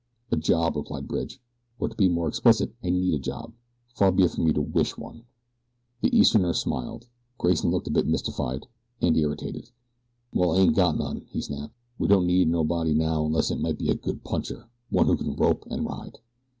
"A job," replied Bridge, "or, to be more explicit, I need a job far be it from me to WISH one." The Easterner smiled. Grayson looked a bit mystified and irritated. "Well, I hain't got none," he snapped. "We don't need nobody now unless it might be a good puncher one who can rope and ride."